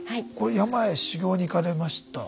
山へ修行に行かれました。